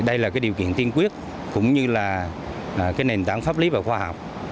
đây là điều kiện tiên quyết cũng như là nền tảng pháp lý và khoa học